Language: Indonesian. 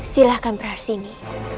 silahkan berhari sini